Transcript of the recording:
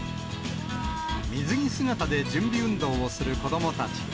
水着姿で準備運動をする子どもたち。